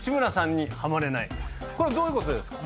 これどういうことですか？